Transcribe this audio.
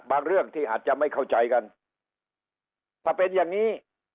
เรื่องที่อาจจะไม่เข้าใจกันถ้าเป็นอย่างนี้